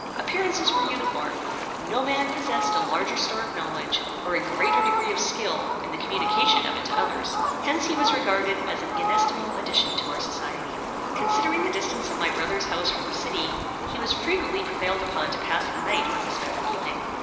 Appearances were uniform. No man possessed a larger store of knowledge, or a greater degree of skill in the communication of it to others; Hence he was regarded as an inestimable addition to our society. Considering the distance of my brother's house from the city, he was frequently prevailed upon to pass the night where he spent the evening.